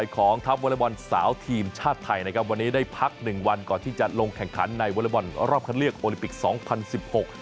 ของทัพวอเล็กบอลสาวทีมชาติไทยนะครับวันนี้ได้พักหนึ่งวันก่อนที่จะลงแข่งขันในวอเล็กบอลรอบคัดเลือกโอลิมปิกสองพันสิบหก